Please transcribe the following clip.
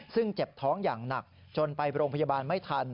ซึ่งเจ็บท้องอย่างหนักจนไปโรงพยาบาลไม่ทัน